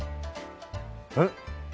えっ。